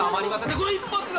この一発が］